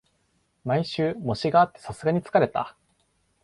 毎週、模試があってさすがに疲れた